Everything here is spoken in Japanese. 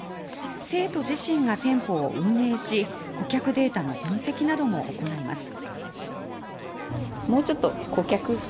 生徒自身が店舗を運営し顧客データの分析なども行います。